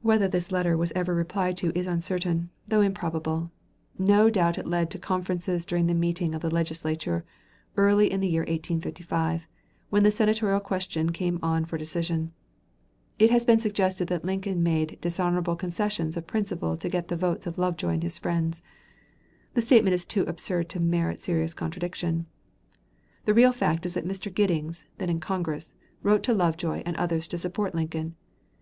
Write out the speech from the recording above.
Whether this letter was ever replied to is uncertain, though improbable. No doubt it led to conferences during the meeting of the Legislature, early in the year 1855, when the senatorial question came on for decision. It has been suggested that Lincoln made dishonorable concessions of principle to get the votes of Lovejoy and his friends. The statement is too absurd to merit serious contradiction. The real fact is that Mr. Giddings, then in Congress, wrote to Lovejoy and others to support Lincoln.